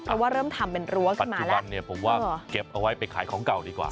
เพราะว่าเริ่มทำเป็นรั้วก่อนปัจจุบันเนี่ยผมว่าเก็บเอาไว้ไปขายของเก่าดีกว่า